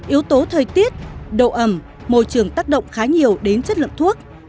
yếu tố thời tiết độ ẩm môi trường tác động khá nhiều đến chất lượng thuốc